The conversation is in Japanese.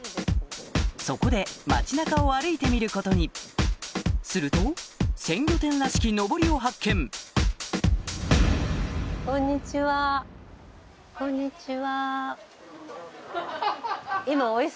そこで町中を歩いてみることにすると鮮魚店らしきのぼりを発見こんにちは。